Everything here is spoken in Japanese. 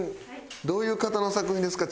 どういう方の作品ですか？